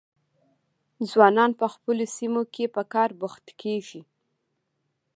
ځوانان په خپلو سیمو کې په کار بوخت کیږي.